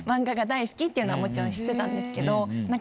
っていうのはもちろん知ってたんですけど。